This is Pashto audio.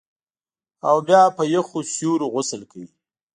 او بیا په یخو سیورو غسل کوي